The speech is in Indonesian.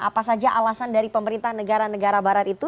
apa saja alasan dari pemerintah negara negara barat itu